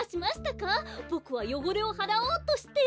ボクはよごれをはらおうとして。